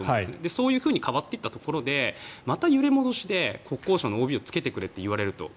そういうふうに変わっていったところでまた揺り戻しで国交省のＯＢをつけてくれと言われると。